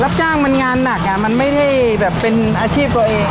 รับจ้างมันงานหนักมันไม่ได้แบบเป็นอาชีพตัวเอง